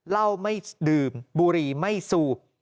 เหล้าไม่ดื่มบุหรี่ไม่สูบ